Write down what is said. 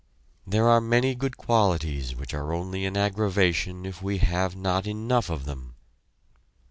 There are many good qualities which are only an aggravation if we have not enough of them.